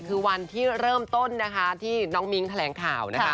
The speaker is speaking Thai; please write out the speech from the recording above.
คือวันที่เริ่มต้นที่น้องมิ้งแถลงข่าว